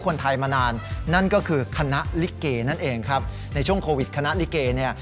นั่นเองครับในช่วงโควิดคณะลิเกย์เนี่ย